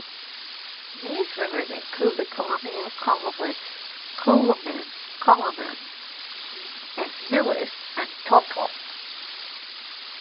These rivers include the Columbia, Cowlitz, Coweeman, Kalama, Lewis and Toutle.